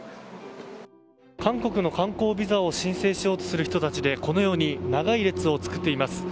韓国の観光ビザを申請しようとする人たちでこのように長い列を作っています。